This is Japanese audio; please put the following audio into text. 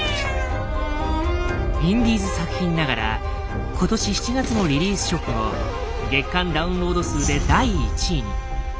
インディーズ作品ながら今年７月のリリース直後月間ダウンロード数で第１位に。